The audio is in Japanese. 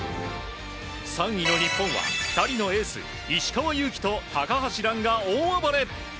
３位の日本は２人のエース石川祐希と高橋藍が大暴れ。